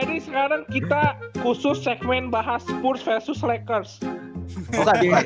jadi sekarang kita khusus segmen bahas spurs versus lakers